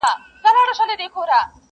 د کرنې پخواني کانالونه اوس هم موجود دي.